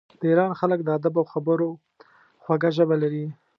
د ایران خلک د ادب او خبرو خوږه ژبه لري.